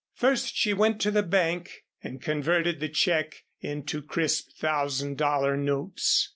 First she went to the bank and converted the check into crisp thousand dollar notes.